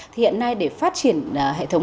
thì hiện nay để phát triển hệ thống